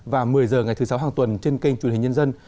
và một mươi h ngày thứ sáu hàng tuần trên kênh truyền hình nhân dân